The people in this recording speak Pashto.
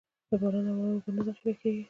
د باران او واورې اوبه نه ذخېره کېږي.